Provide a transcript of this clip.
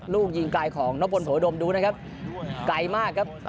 ลูกยิงไกลของนพลโผดมดูนะครับไกลมากครับ